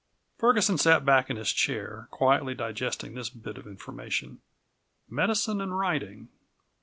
Ferguson sat back in his chair, quietly digesting this bit of information. Medicine and writing.